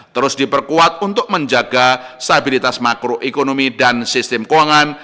terus diperkuat untuk menjaga stabilitas makroekonomi dan sistem keuangan